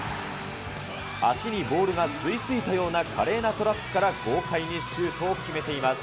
足にボールが吸いついたような華麗なトラップから豪快にシュートを決めています。